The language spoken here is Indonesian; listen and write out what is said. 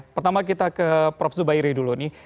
pertama kita ke prof zubairi dulu nih